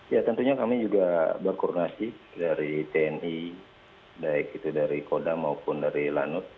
ya tentunya kami juga berkoronasi dari tni dari koda maupun dari lanut